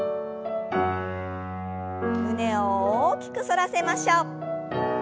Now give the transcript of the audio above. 胸を大きく反らせましょう。